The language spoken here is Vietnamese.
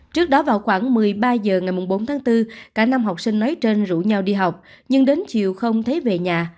trước đó vào khoảng một mươi ba h ngày bốn tháng bốn cả năm học sinh nói trên rủ nhau đi học nhưng đến chiều không thấy về nhà